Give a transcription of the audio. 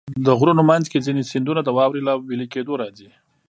د غرونو منځ کې ځینې سیندونه د واورې له وېلې کېدو راځي.